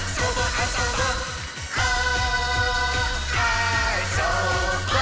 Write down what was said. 「あそぼー！」